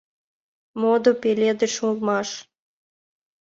Модо пеледыш улмаш.